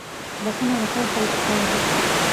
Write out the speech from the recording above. • بښنه د ښو خلکو کار دی.